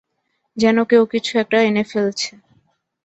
যেন কেউ কিছু একটা এনে ফেলছে।